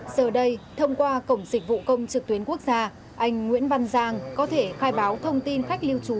giờ đây thông qua cổng dịch vụ công trực tuyến quốc gia anh nguyễn văn giang có thể khai báo thông tin khách lưu trú